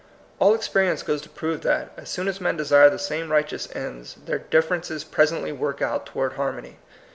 All experience goes to prove that, as soon as men desire the same righteous ends, their differences presently work out toward har mony.